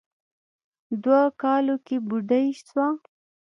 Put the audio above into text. دوو کالو کې بوډۍ سوه.